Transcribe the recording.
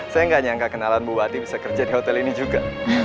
saya gak nyangka kenalan ibu hati bisa kerja di hotel ini juga